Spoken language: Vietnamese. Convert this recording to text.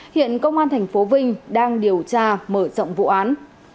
hiện công an tp vinh đang điều tra mở rộng vụ án